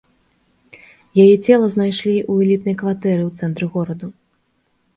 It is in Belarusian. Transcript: Яе цела знайшлі ў элітнай кватэры ў цэнтры гораду.